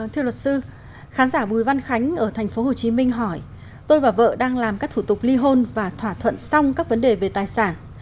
thưa luật sư khán giả bùi văn khánh ở tp hcm hỏi tôi và vợ đang làm các thủ tục ly hôn và thỏa thuận xong các vấn đề về tài sản